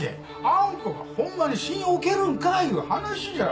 あん子がホンマに信用おけるんかいう話じゃ！